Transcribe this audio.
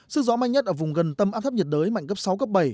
sức gió mạnh nhất ở vùng gần tâm áp thấp nhiệt đới mạnh cấp sáu cấp bảy